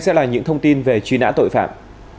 sẽ là những thông tin về truy nã tội phạm